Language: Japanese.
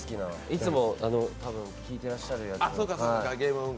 いつもひいてらっしゃるやつを。